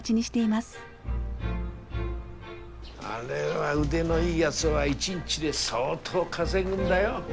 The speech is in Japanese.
あれは腕のいいやづは一日で相当稼ぐんだよ。